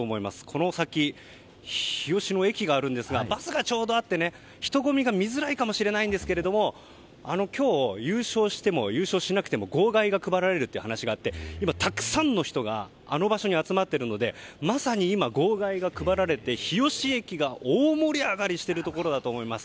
この先、日吉の駅があるんですがバスがちょうど、あって人混み見づらいかもしれませんが今日、優勝しても優勝しなくても号外が配られるという話がありましてたくさんの人があの場所に集まってるのでまさに今、号外が配られて日吉駅が大盛り上がりをしているところだと思います。